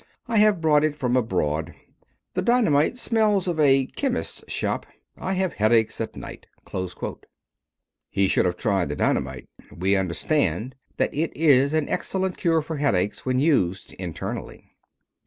I have brought it from abroad. The dynamite smells of a chemist's shop. I have headaches at night." He should have tried the dynamite. We understand that it is an excellent cure for headaches when used internally.